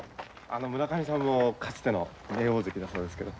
村上さんもかつての名大関だそうですけど。